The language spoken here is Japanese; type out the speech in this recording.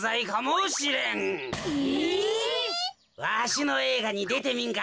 わしのえいがにでてみんか？